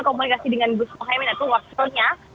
komunikasi dengan bu soehoyamin itu waktunya